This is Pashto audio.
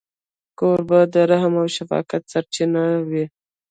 کوربه د رحم او شفقت سرچینه وي.